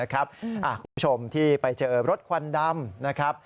คุณผู้ชมที่ไปเจอรถควันดำนะครับ